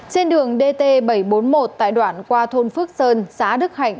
trên đường dt bảy trăm bốn mươi một tại đoạn qua thôn phước sơn xã đức hạnh